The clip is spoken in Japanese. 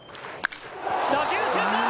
打球センターへ。